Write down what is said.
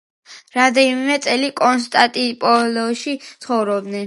რამდენიმე წელი კონსტანტინოპოლში ცხოვრობდა.